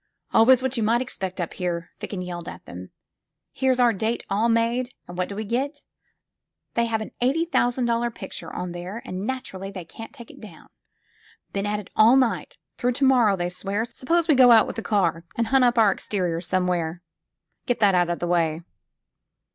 Always what you may expect up here," Ficken yelled at tiiem. ''Here's our date all made, and what do we gett They have an eighty thousand dollar picture on here and naturally they can't take it down. Been at it all night. Through to morrow, they swear. Suppose we go out with the car and hunt up our exterior some where. Get that out of the way."